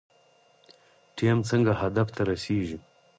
ټیم څنګه هدف ته رسیږي؟